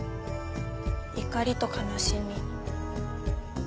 怒りと悲しみ。